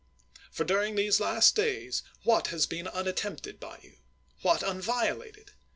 For, during these last days, what has been unattempted by you ? What un violated?